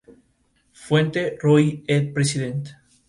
Su asiento es un sillón de cuero marrón y patas con ruedas.